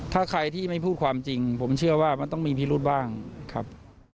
ถ้าใครที่ไม่พูดความจริงผมเชื่อว่ามันต้องมีพิรุธบ้างครับ